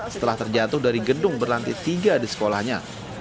setelah terjatuh dari gedung berlanti tiga di sekolahnya